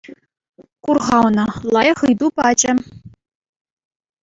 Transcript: Кур-ха ӑна, лайӑх ыйту пачӗ.